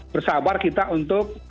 bersabar kita untuk